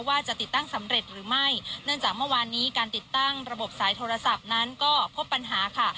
ว่าจะติดตั้งสำเร็จหรือไม่เนื่องจากเมื่อวานนี้การติดตั้งระบบสายโทรศัพท์นั้นก็พบปัญหาค่ะ